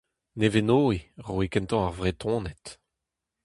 Nevenoe roue kentañ ar Vretoned.